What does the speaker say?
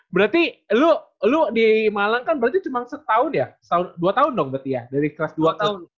berarti lu lo di malang kan berarti cuma setahun ya dua tahun dong berarti ya dari kelas dua tahun